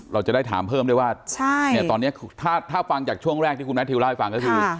เราจะได้ถามเพิ่มด้วยว่าตอนนี้ถ้าฟังจากช่วงแรกที่คุณแมททิวเล่าให้ฟังก็คือ